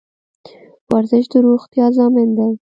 ورزش د روغتیا ضامن دی